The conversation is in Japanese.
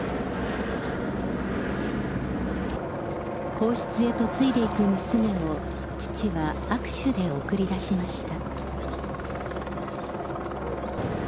皇室へ嫁いでいく娘を父は握手で送り出しました。